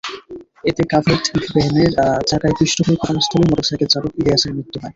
এতে কাভার্ড ভ্যানের চাকায় পিষ্ট হয়ে ঘটনাস্থলেই মোটরসাইকেল চালক ইলিয়াসের মৃত্যু হয়।